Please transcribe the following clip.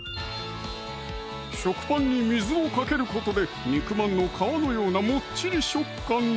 食パンに水をかけることで肉まんの皮のようなもっちり食感に！